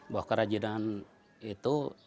bahwa kerajinan itu